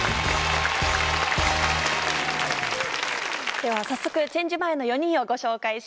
では早速チェンジ前の４人をご紹介します。